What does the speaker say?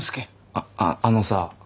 あっあのさ。